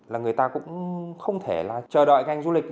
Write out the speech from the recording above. là người ta cũng không thể là chờ đợi ngành du lịch